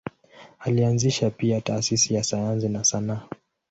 Alianzisha pia taasisi za sayansi na sanaa.